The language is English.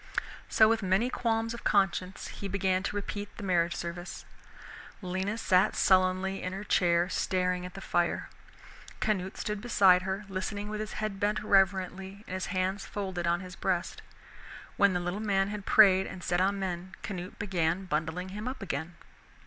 So with many qualms of conscience he began to repeat the marriage service. Lena sat sullenly in her chair, staring at the fire. Canute stood beside her, listening with his head bent reverently and his hands folded on his breast. When the little man had prayed and said amen, Canute began bundling him up again.